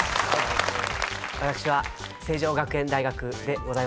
私は成城大学でございます。